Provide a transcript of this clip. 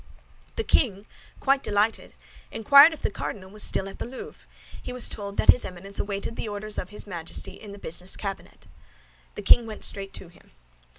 The king, quite delighted, inquired if the cardinal was still at the Louvre; he was told that his Eminence awaited the orders of his Majesty in the business cabinet. The king went straight to him.